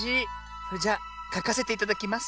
それじゃあかかせていただきます。